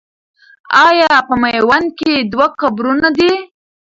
آیا په میوند کې دوه قبرونه دي؟